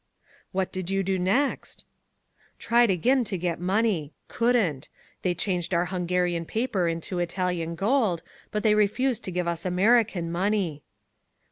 "What did you do next?" "Tried again to get money: couldn't they changed our Hungarian paper into Italian gold, but they refused to give us American money."